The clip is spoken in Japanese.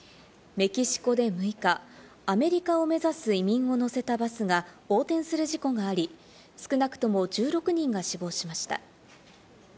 メキシコで６日、アメリカを目指す移民を乗せたバスが横転する事故があり、少なくとも１６人が死亡しました。